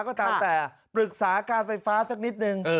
ก็ตามแต่ปรึกษาการไฟฟ้าสักนิดนึง